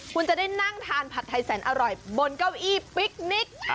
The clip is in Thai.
คุณจะได้นั่งทานผัดไทยแสนอร่อยบนเก้าอี้ปิ๊กนิก